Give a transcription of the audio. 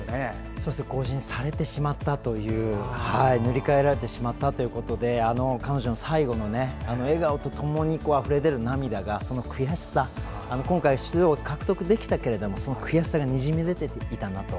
そして更新されてしまった塗り替えられてしまったということで彼女の最後の笑顔とともにあふれ出る涙が今回、出場枠は獲得できたけどその悔しさがにじみ出てきたんだなと。